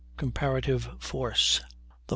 COMPARATIVE FORCE. Tons.